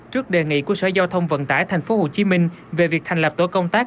trước đề nghị của sở giao thông vận tải tp hcm về việc thành lập tổ công tác